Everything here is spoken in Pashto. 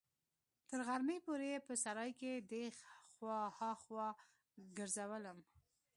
تر غرمې پورې يې په سراى کښې دې خوا ها خوا ګرځولم.